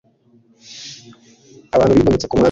Abantu bigometse ku mwami